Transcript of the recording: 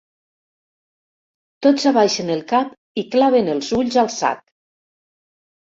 Tots abaixen el cap i claven els ulls al sac.